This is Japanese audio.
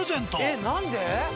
えっ何で？